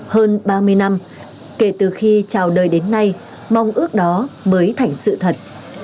hơn ba mươi năm kể từ khi chào đời đến nay mong ước đó mới thành sự thật